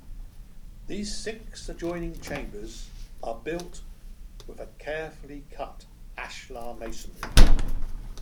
These six adjoining chambers are built with a carefully cut ashlar masonry.